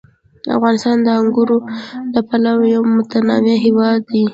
افغانستان د انګورو له پلوه یو متنوع هېواد دی.